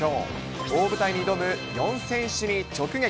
大舞台に挑む４選手に直撃。